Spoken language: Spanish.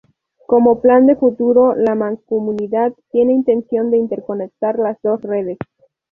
Como plan de futuro, la Mancomunidad tiene intención de interconectar las dos redes.